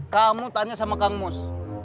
kamu tanya sama kang mus